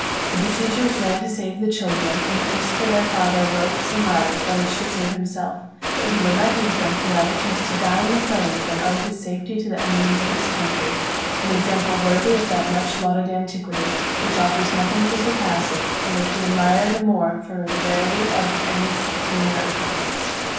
The besiegers ran to save the children, and placed for their father ropes and ladders, by which to save himself, but he would not use them, and rather chose to die in the flames than owe his safety to the enemies of his country: an example worthy of that much lauded antiquity, which offers nothing to surpass it, and which we admire the more from the rarity of any similar occurrence.